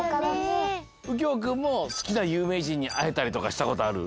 うきょうくんもすきなゆうめいじんにあえたりとかしたことある？